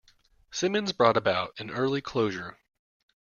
Simmons brought about an early closure..